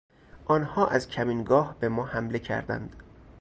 آنها از کمینگاه به ما حمله کردند.